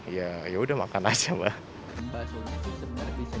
ya yaudah makan aja mbak